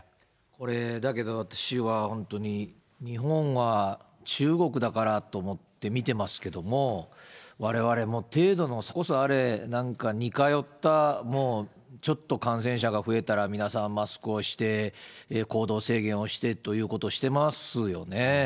これ、だけど私は本当に、日本は、中国だからと思って見てますけども、われわれも程度の差こそあれ、なんか似かよったもう、ちょっと感染者が増えたら皆さん、マスクをして、行動制限をしてということをしてますよね。